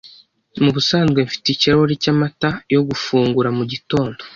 Mubusanzwe mfite ikirahuri cyamata yo gufungura mugitondo.